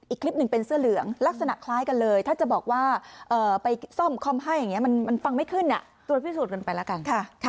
อีกคลิปหนึ่งเป็นเสื้อเหลืองลักษณะคล้ายกันเลยถ้าจะบอกว่าไปซ่อมคอมให้อย่างนี้มันฟังไม่ขึ้นตรวจพิสูจนกันไปแล้วกัน